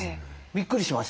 びっくりしました。